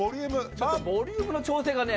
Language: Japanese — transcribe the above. ちょっとボリュームの調整がね